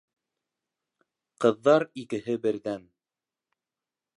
Ҡыҙҙар икеһе берҙән: